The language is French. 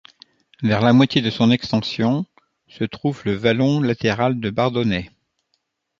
Vers la moitié de son extension, se trouve le vallon latéral de Bardoney.